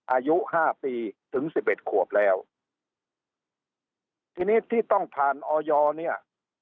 อายุห้าปีถึงสิบเอ็ดขวบแล้วทีนี้ที่ต้องผ่านออยเนี่ย